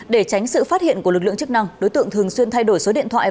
để tránh sự phát hiện của lực lượng chức năng đối tượng thường xuyên thay đổi số điện thoại